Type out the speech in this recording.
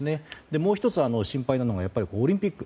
もう１つ、心配なのがオリンピック。